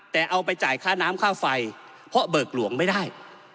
แต่เอาไปจ่ายค่าน้ำค่าไฟเพราะเบิกหลวงไม่ได้